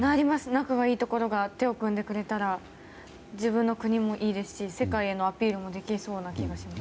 仲がいいところが手を組んでくれたら自分の国もいいですし世界へのアピールもできそうな気がします。